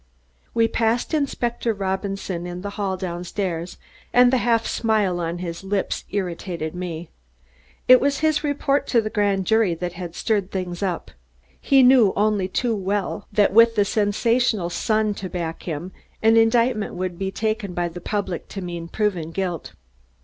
We passed Inspector Robinson in the hall down stairs and the half smile on his lips irritated me. It was his report to the grand jury that had stirred things up. He knew only too well that with the sensational Sun to back him, an indictment would be taken by the public to mean proven guilt.